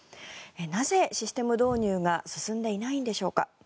なぜ、システム導入が進んでいないんでしょうか。